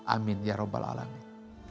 amin ya rabbal alamin